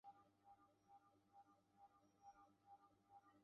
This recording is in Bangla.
পরে তিনি জম্মু ও কাশ্মীরের রাজ্য অ্যাডভোকেট জেনারেল অফিসে কাজ করেছিলেন।